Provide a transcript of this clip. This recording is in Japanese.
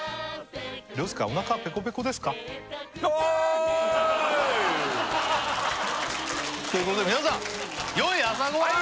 どうっすかお腹ペコペコですか？ということで皆さんよい朝ごはんを！